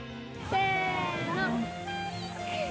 せの！